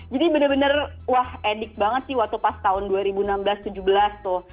jadi bener bener wah edik banget sih waktu pas tahun dua ribu enam belas dua ribu tujuh belas tuh